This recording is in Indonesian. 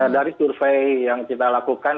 dari survei yang kita lakukan